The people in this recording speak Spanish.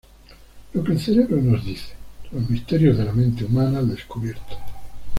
Lo que el cerebro nos dice: los misterios de la mente humana al descubierto.